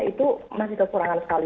itu masih kekurangan sekali